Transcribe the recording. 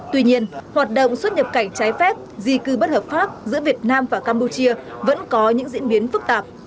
tuy nhiên hoạt động xuất nhập cảnh trái phép di cư bất hợp pháp giữa việt nam và campuchia vẫn có những diễn biến phức tạp